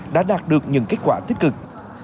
đã đạt được những kết quả thích cực